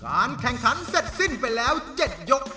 การแข่งขันเสร็จสิ้นไปแล้ว๗ยก